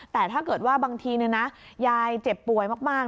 แต่ถ้าเกิดว่าบางทียายเจ็บป่วยมาก